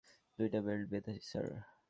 দুইটা বেল্ট বেধেছি স্যার।